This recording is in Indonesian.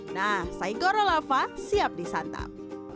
nah saigoro lava siap disantap